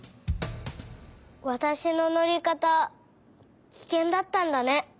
わたしののりかたキケンだったんだね。